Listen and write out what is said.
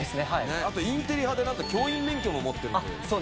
あとインテリ派でなんと教員免許も持ってるという。